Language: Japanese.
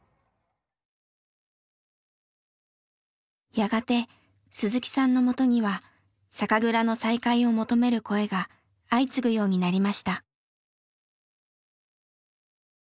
やがて鈴木さんのもとには酒蔵の再開を求める声が相次ぐようになりました。